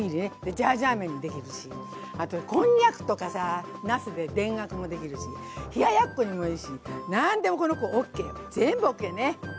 ジャージャー麺にできるしあとこんにゃくとかさなすで田楽もできるし冷ややっこにもいいし何でもこの子ＯＫ全部ＯＫね。